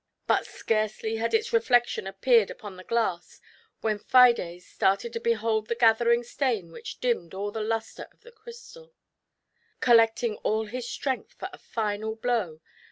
But scarcely had its reflection ap peared upon the glass, when Fides started to behold the gathering stain which dimmed all the lustre of the crystal Collecting all his strength for a final blow.